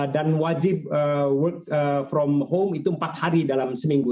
dan wajib work from home itu empat hari dalam seminggu